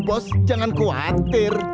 bos jangan khawatir